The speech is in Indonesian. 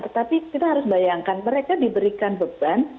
tetapi kita harus bayangkan mereka diberikan beban